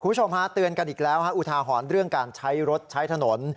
คุณผู้ชมฮะเตือนกันอีกแล้วอุทาหรณ์เรื่องการใช้รถใช้ถนน